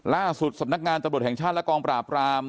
ล่าสุดสำนักงานตำรวจแห่งชาติและกองปราบราม